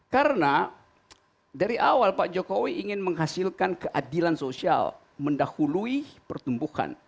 karena dari awal pak jokowi ingin menghasilkan keadilan sosial mendahului pertumbuhan